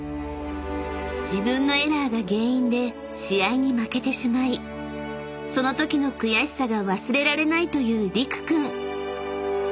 ［自分のエラーが原因で試合に負けてしまいそのときの悔しさが忘れられないというりく君］